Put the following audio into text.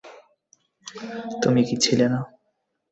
তুমি কী ছিলে না?